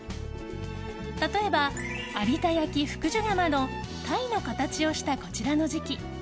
例えば、有田焼・福珠窯の鯛の形をしたこちらの磁器。